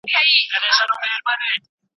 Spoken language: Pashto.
نېکي زړه پياوړی کوي